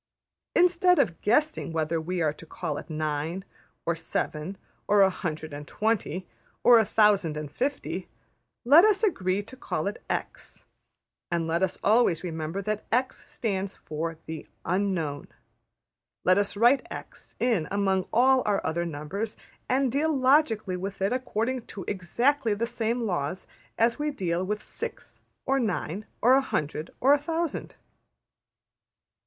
Instead of guessing whether we are to call it nine, or seven, or a hundred and twenty, or a thousand and fifty, let us agree to call it $x$, and let us always remember that $x$ stands for the Unknown. Let us write $x$ in among all our other numbers, and deal logically with it according to exactly the same laws as we deal with six, or nine, or a hundred, or a thousand.''